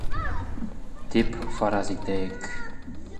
... тип фараз итәйек